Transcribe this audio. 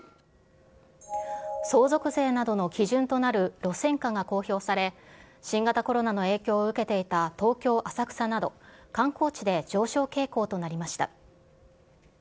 相続税などの基準となる路線価が公表され、新型コロナの影響を受けていた東京・浅草など、観光地で上昇傾向となりました。